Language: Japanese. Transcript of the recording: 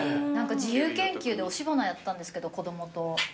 自由研究で押し花やったんですけど子供と。